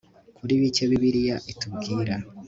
kuri bike bibiliya itubwira